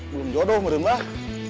belum jodoh menurut bah